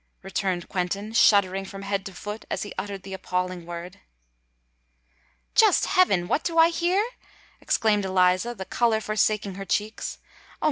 returned Quentin, shuddering from head to foot as he uttered the appalling word. "Just heaven! what do I hear?" exclaimed Eliza, the colour forsaking her cheeks. "Oh!